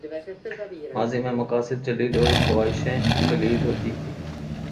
ماضی میں مقاصد جلیل اور خواہشیں قلیل ہوتی تھیں۔